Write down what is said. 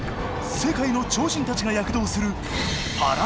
世界の超人たちが躍動する